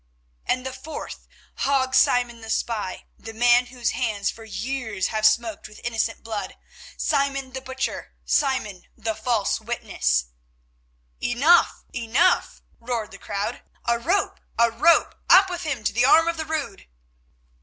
"And the fourth, Hague Simon the spy, the man whose hands for years have smoked with innocent blood; Simon the Butcher—Simon the false witness——" "Enough, enough!" roared the crowd. "A rope, a rope; up with him to the arm of the Rood."